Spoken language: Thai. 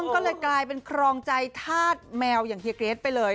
ก็เลยกลายเป็นครองใจธาตุแมวอย่างเฮียเกรทไปเลย